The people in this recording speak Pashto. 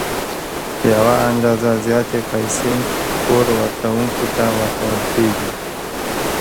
یوه اندازه زیاتې پیسې پور ورکوونکي ته ورکول کېږي